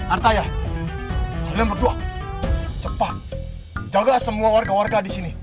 artaya kalian berdua cepat jaga semua warga warga di sini